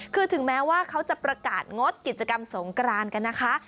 คือถึงแม้ว่าเขาจะประกาศงดกิจกรรมสงกรานกันนะคะ